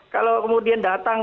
kalau kemudian datang